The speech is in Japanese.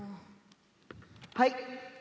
はい。